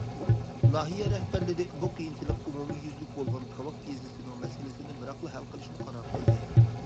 ناھىيە رەھبەرلىرى بۇ قىيىنچىلىق ئومۇميۈزلۈك بولغان كاۋاك يېزىسىنىڭ مەسىلىسىنى بىراقلا ھەل قىلىشنى قارار قىلدى.